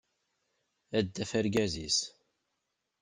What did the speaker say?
Ad d-taf argaz-is.